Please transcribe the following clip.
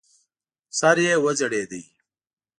سر یې وځړېد.